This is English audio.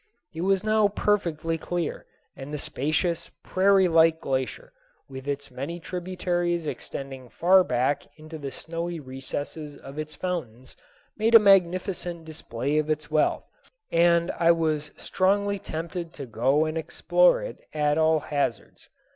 It was now perfectly clear, and the spacious, prairie like glacier, with its many tributaries extending far back into the snowy recesses of its fountains, made a magnificent display of its wealth, and I was strongly tempted to go and explore it at all hazards.